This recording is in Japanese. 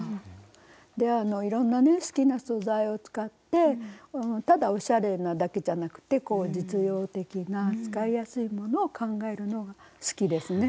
でいろんなね好きな素材を使ってただおしゃれなだけじゃなくて実用的な使いやすいものを考えるのが好きですね。